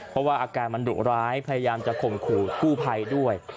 เพราะว่าอาการมันดุร้ายพยายามจะข่มขู่กู้ภัยด้วย